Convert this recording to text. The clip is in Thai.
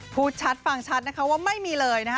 พูดชัดฟังชัดนะคะว่าไม่มีเลยนะคะ